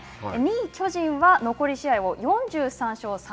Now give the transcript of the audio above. ２位巨人は残り試合を４３勝３０敗。